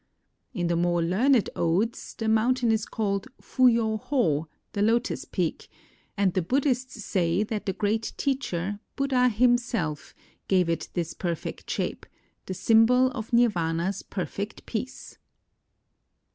In the more learned odes, the mountain is called Fuyo Ho, the Lotus Peak; and the Buddhists say that the great teacher, Buddha himself, gave it this perfect shape, the symbol of Nirvana's perfect peace.